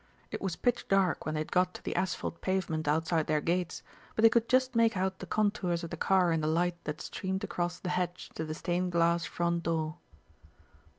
It was pitch dark when they had got to the asphalt pavement outside their gates, but they could just make out the contours of the car in the light that streamed across the hedge to the stained glass front door.